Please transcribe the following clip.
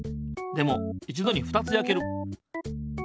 でもいちどに２つやける。